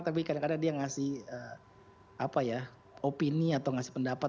tapi kadang kadang dia ngasih opini atau ngasih pendapat